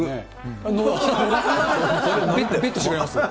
ベットしてくれます？